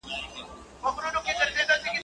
هر بنده، خپل ئې عمل.